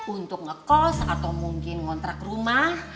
untuk ngekos atau mungkin ngontrak rumah